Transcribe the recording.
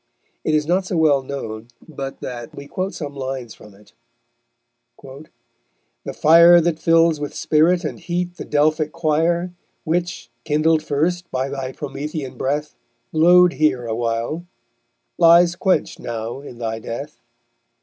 It is not so well known but that we quote some lines from it: _The fire That fills with spirit and heat the Delphic choir, Which, kindled first by thy Promethean breath, Glow'd here awhile, lies quench'd now in thy death.